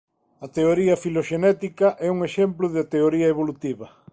A teoría filoxenética é un exemplo de teoría evolutiva.